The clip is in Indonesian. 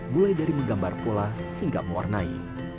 mulai dari menggambar pula hingga mewarnai